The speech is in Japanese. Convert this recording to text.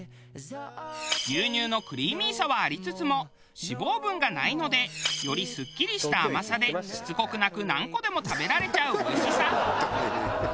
牛乳のクリーミーさはありつつも脂肪分がないのでよりすっきりした甘さでしつこくなく何個でも食べられちゃうおいしさ。